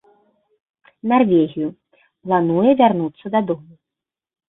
Нарвегію, плануе вярнуцца дадому.